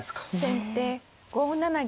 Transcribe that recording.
先手５七銀。